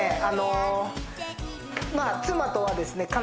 あのまあ妻とはですね